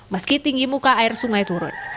meski tinggi muka air sungai turun